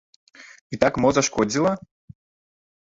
І так мо зашкодзіла?